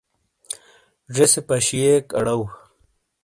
زیسے پیشیک آڑو۔